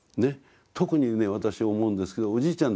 特にね私思うんですけどおじいちゃん